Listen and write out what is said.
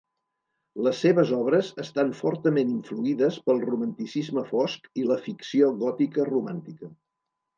Les seves obres estan fortament influïdes pel romanticisme fosc i la ficció gòtica romàntica.